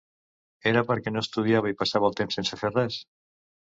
Era perquè no estudiava i passava el temps sense fer res?